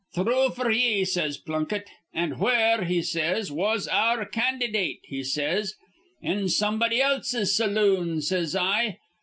'Thrue f'r ye,' says Plunkett. 'An' where,' he says, 'was our candydate?' he says. 'In somebody else's saloon,' says I.